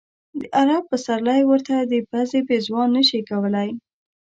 د عرب پسرلی ورته د پزې پېزوان نه شي کولای.